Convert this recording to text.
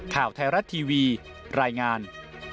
ข่าวไทยรัฐทีวีรายงาน